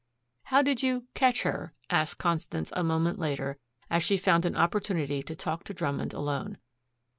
"How did you catch her?" asked Constance a moment later as she found an opportunity to talk to Drummond alone.